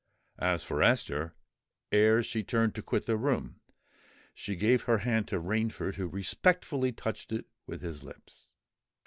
As for Esther, ere she turned to quit the room, she gave her hand to Rainford, who respectfully touched it with his lips.